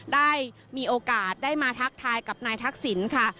ได้มีโอกาสได้มาทักทายกับนายทักษิณค่ะ